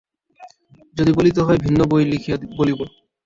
যদি বলিতে হয় ভিন্ন বই লিখিয়া বলিব।